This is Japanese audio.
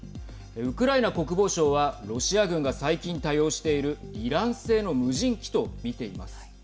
ウクライナ国防省はロシア軍が最近、多用しているイラン製の無人機と見ています。